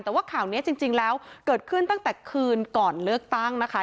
แต่ว่าข่าวนี้จริงแล้วเกิดขึ้นตั้งแต่คืนก่อนเลือกตั้งนะคะ